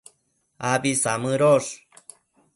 Abi samëdosh